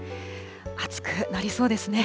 暑くなりそうですね。